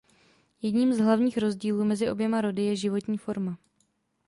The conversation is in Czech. Jedním z hlavních rozdílů mezi oběma rody je životní forma.